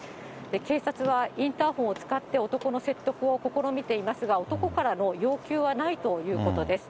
警察は、インターホンを使って男の説得を試みていますが、男からの要求はないということです。